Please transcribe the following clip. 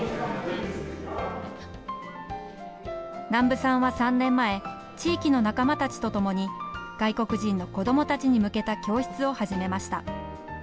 南部さんは３年前地域の仲間たちとともに外国人の子どもたちに向けた教室を始めました。